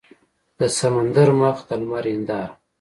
د سمندر مخ د لمر هینداره